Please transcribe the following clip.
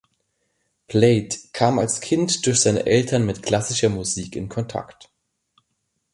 Plate kam als Kind durch seine Eltern mit klassischer Musik in Kontakt.